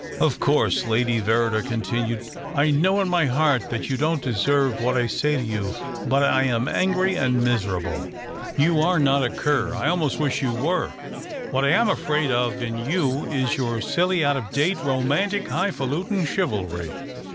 " Of course," Lady Verrider continued, " I know in my heart that you don't deserve what I say to you. But I am angry and miserable. You are not a cur, I almost wish you were. What I am afraid of in you is your silly, out of date, romantic, high falutin chivalry.